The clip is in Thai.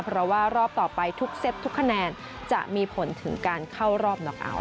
เพราะว่ารอบต่อไปทุกเซตทุกคะแนนจะมีผลถึงการเข้ารอบน็อกเอาท